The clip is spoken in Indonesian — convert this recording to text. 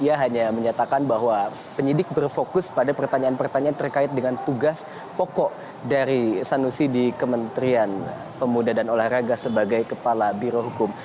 ia hanya menyatakan bahwa penyidik berfokus pada pertanyaan pertanyaan terkait dengan tugas pokok dari sanusi di kementerian pemuda dan olahraga sebagai kepala birohukum